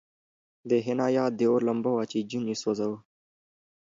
د حنا یاد د اور لمبه وه چې جون یې سوځاوه